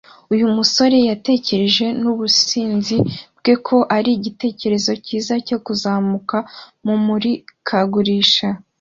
Uyu musore yatekereje mubusinzi bwe ko ari igitekerezo cyiza cyo kuzamuka mumurikagurisha